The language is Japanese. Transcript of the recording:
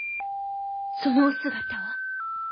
そのお姿は？